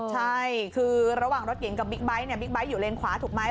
ใช่คือระหว่างรถเก่งกับบิ๊กไบท์เนี่ยบิ๊กไบท์อยู่เลนขวาถูกไหม